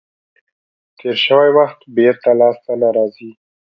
تیر شوی وخت بېرته لاس ته نه راځي.